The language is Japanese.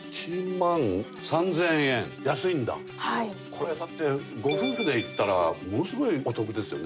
これだってご夫婦で行ったらものすごいお得ですよね。